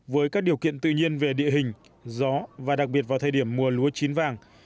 với các điều kiện tự nhiên về địa hình gió và đặc biệt vào thời điểm mùa lúa chín vàng